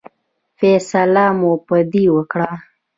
فیصله مو په دې وکړه.